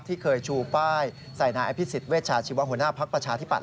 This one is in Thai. ที่เคยชูป้ายใส่นายอภิษฎเวชาชีวหัวหน้าภักดิ์ประชาธิปัต